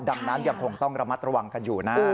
ดังนั้นยังคงต้องระมัดระวังกันอยู่นะ